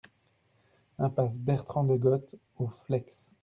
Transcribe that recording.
Impasse Bertrand de Goth au Fleix